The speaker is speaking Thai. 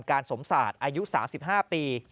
การสมศาสตร์อายุ๓๕ปี